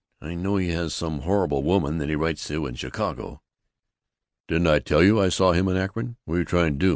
I know he has some horrible woman that he writes to in Chicago." "Didn't I tell you I saw him in Akron? What 're you trying to do?